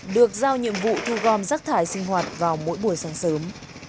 được giao nhiệm vụ thu gom rác thải sinh hoạt vào mỗi buổi sáng sớm